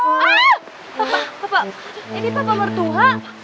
papa papa ini papa mertua